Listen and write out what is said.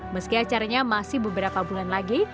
meski acaranya masih beberapa bulan lagi